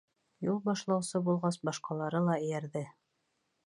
Юл башлаусы булғас, башҡалары ла эйәрҙе.